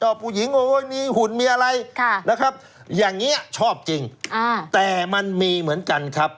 ผู้หญิงโอ้ยมีหุ่นมีอะไรนะครับอย่างนี้ชอบจริงแต่มันมีเหมือนกันครับ